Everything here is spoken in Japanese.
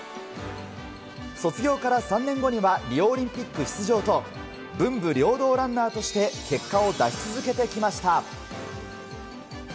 卒業から３年後にはリオオリンピック出場と文武両道ランナーとして結果を出し続けてきました。